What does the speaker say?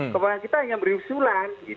kemarin kita hanya meriusulan